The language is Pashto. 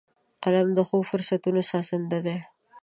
قلم د ښو فرصتونو سازنده دی